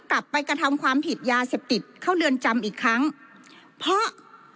กระทำความผิดยาเสพติดเข้าเรือนจำอีกครั้งเพราะ